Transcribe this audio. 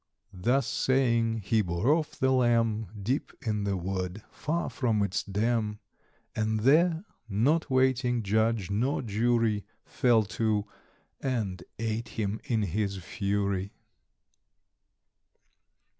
Thus saying, he bore off the Lamb Deep in the wood, far from its dam. And there, not waiting judge nor jury, Fell to, and ate him in his fury.